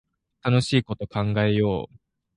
楽しいこと考えよう